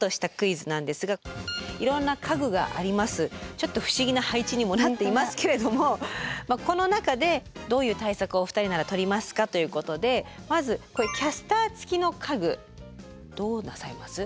ちょっと不思議な配置にもなっていますけれどもこの中でどういう対策をお二人ならとりますかということでまずこういうキャスター付きの家具どうなさいます？